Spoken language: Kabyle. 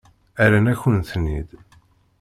Rran-akent-ten-id.